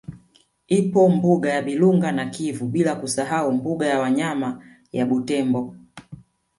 Ipo mbuga ya Bilunga na Kivu bila kusahau mbuga ya wanyama ya Butembo